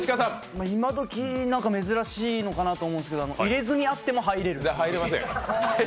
今どき珍しいのかなと思うんですけど、入れ墨あっても入れる入れません。